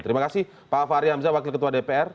terima kasih pak fahri hamzah wakil ketua dpr